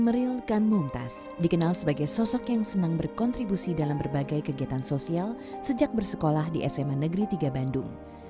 emeril kan mumtaz dikenal sebagai sosok yang senang berkontribusi dalam berbagai kegiatan sosial sejak bersekolah di sma negeri tiga bandung